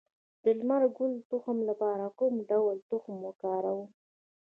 د لمر ګل د تخم لپاره کوم ډول تخم وکاروم؟